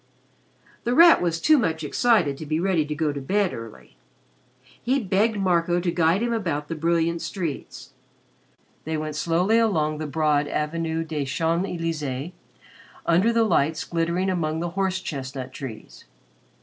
The Rat was too much excited to be ready to go to bed early. He begged Marco to guide him about the brilliant streets. They went slowly along the broad Avenue des Champs Elysees under the lights glittering among the horse chestnut trees.